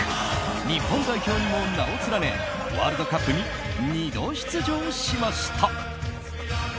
日本代表にも名を連ねワールドカップに２度出場しました。